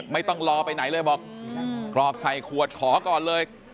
ไม่ต้องรอไปไหนเลยบอกกรอบใส่ขวดขอก่อนเลย